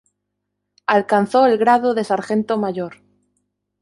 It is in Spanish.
Alcanzó el grado de sargento mayor.